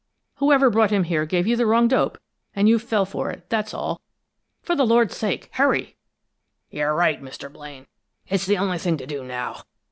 Whoever brought him here gave you the wrong dope and you fell for it, that's all For the Lord's sake, hurry!" "You're right, Mr. Blaine. It's the only thing to do now.